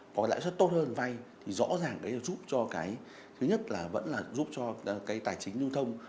có lãi suất tốt hơn vay thì rõ ràng đấy là giúp cho cái thứ nhất là vẫn là giúp cho cái tài chính lưu thông